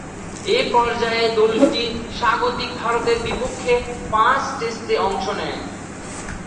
এ পর্যায়ে দলটি স্বাগতিক ভারতের বিপক্ষে পাঁচ টেস্টে অংশ নেয়।